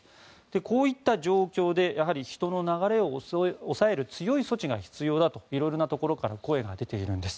こういった状況でやはり人の流れを抑える強い措置が必要だと色々なところから声が出ているんです。